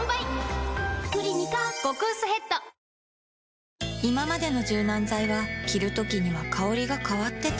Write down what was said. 「クリニカ」極薄ヘッドいままでの柔軟剤は着るときには香りが変わってた